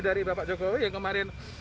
dari bapak jokowi yang kemarin